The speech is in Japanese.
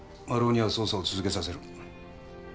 マルオには捜査を続けさせる。